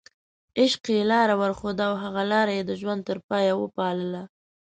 عشق یې لاره ورښوده او هغه لاره یې د ژوند تر پایه وپالله.